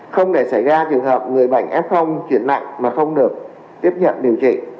không để xảy ra trường hợp người bệnh f chuyển nặng mà không được tiếp nhận điều trị